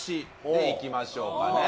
でいきましょうかね